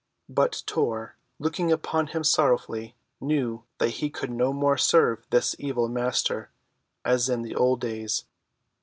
But Tor, looking upon him sorrowfully, knew that he could no more serve this evil master as in the old days.